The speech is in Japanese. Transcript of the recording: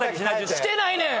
してないねん！